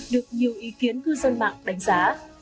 được nhiều ý kiến cư dân mạng đánh giá